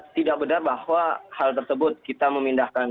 tidak benar bahwa hal tersebut kita memindahkan